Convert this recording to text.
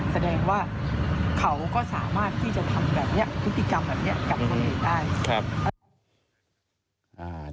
แสดงว่าเขาก็สามารถที่จะทำแบบนี้พฤติกรรมแบบนี้กับคนอื่นได้